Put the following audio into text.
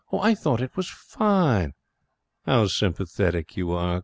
'I thought it was fine.' 'How sympathetic you are!'